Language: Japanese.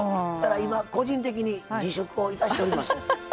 今、個人的に自粛をいたしております。